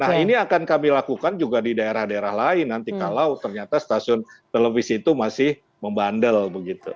nah ini akan kami lakukan juga di daerah daerah lain nanti kalau ternyata stasiun televisi itu masih membandel begitu